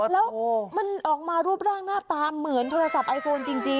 แล้วมันออกมารูปร่างหน้าตาเหมือนโทรศัพท์ไอโฟนจริง